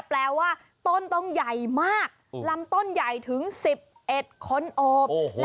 แปลว่าต้นต้องใหญ่มากลำต้นใหญ่ถึง๑๑คนโอบ